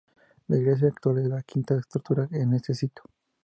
La iglesia actual es la quinta estructura en este sitio.